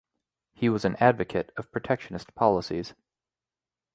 He was an advocate of protectionist policies.